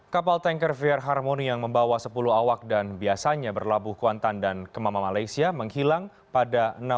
kapal tanker vr harmony yang membawa sepuluh awak dan biasanya berlabuh kuantan dan ke mama malaysia menghilang pada enam belas